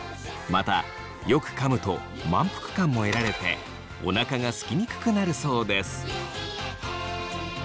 またよくかむと満腹感も得られておなかがすきにくくなるそうです。